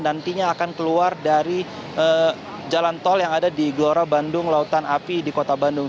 nantinya akan keluar dari jalan tol yang ada di gelora bandung lautan api di kota bandung